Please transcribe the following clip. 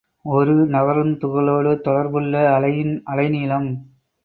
ஒரு நகருந் துகளோடு தொடர்புள்ள அலையின் அலைநீளம்.